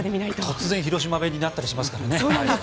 突然広島弁になったりしますからね。